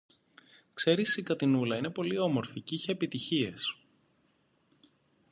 Ξέρεις η Κατινούλα είναι πολύ όμορφη κ’ είχε επιτυχίες.